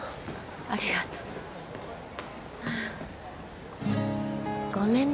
ありがとうはあごめんね